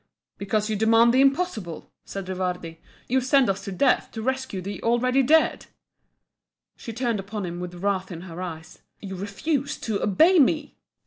"Because you demand the impossible!" said Rivardi "You send us to death to rescue the already dead!" She turned upon him with wrath in her eyes. "You refuse to obey me?"